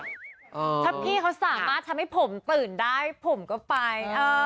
ถ้าพี่เขาสามารถทำให้ผมตื่นได้ผมก็ไป